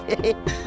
ini juga bu